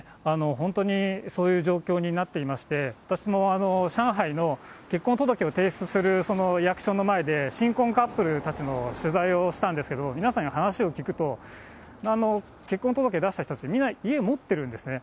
本当に、そういう状況になっていまして、私も上海の、結婚届を提出する役所の前で、新婚カップルたちの取材をしたんですけど、皆さんに話を聞くと、結婚届出した人たち、みんな家持ってるんですね。